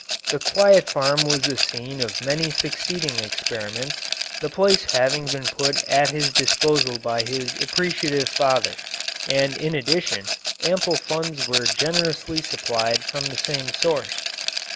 The quiet farm was the scene of many succeeding experiments, the place having been put at his disposal by his appreciative father, and in addition ample funds were generously supplied from the same source.